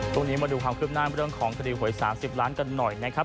ตรงนี้มาดูความคืบหน้าเรื่องของคดีหวย๓๐ล้านกันหน่อยนะครับ